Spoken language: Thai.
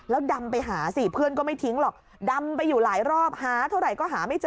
แล้วดำไปหาสิเพื่อนก็ไม่ทิ้งหรอก